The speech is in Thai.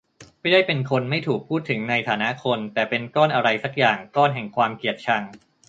ไม่ได้เป็น-คน ไม่ถูกพูดถึงในฐานะ -คน แต่เป็นก้อนอะไรสักอย่าง ก้อนแห่งความเกลียดชัง